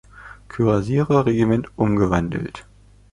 Kürassier-Regiment umgewandelt.